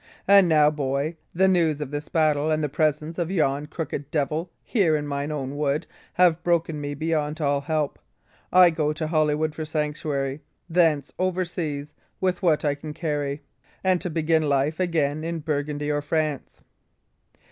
"And now, boy, the news of this battle, and the presence of yon crooked devil here in mine own wood, have broken me beyond all help. I go to Holywood for sanctuary; thence overseas, with what I can carry, and to begin life again in Burgundy or France."